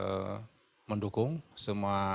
tentu kami akan mendukung semua